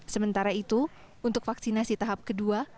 sementara itu untuk vaksinasi tahap kedua